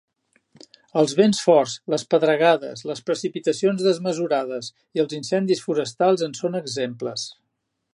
Els vents forts, les pedregades, les precipitacions desmesurades i els incendis forestals en són exemples.